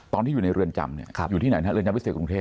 ตอนที่อยู่ในเรือนจำเนี่ยอยู่ที่ไหนนะเรือนจำพิเศษกรุงเทพ